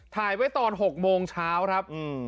ถ่ายไว้ตอน๖โมงเช้าครับ